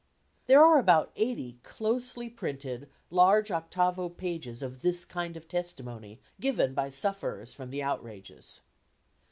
There are about eighty, closely printed, large octavo pages of this kind of testimony given by sufferers from the outrages.